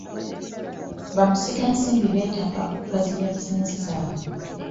Bamusigansimbi beetaaga okugaziya bizinensi zaabwe.